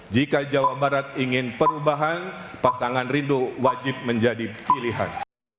jika jawa barat ingin perubahan pasangan rindu wajib menjadi pilihan